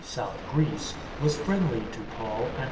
South Greece) — was friendly to Paul and per